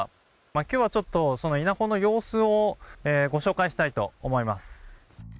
今日はちょっと稲穂の様子をご紹介したいと思います。